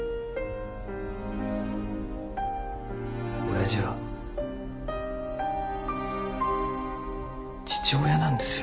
親父は父親なんですよ。